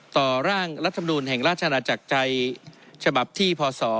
ต่อร่างรัฐมนูลแห่งราชาณาจักรใจฉบับที่พ่อสอ